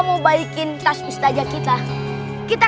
mau balikin tas mustahil kita